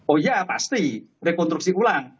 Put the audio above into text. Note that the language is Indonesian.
oh iya pasti rekonstruksi ulang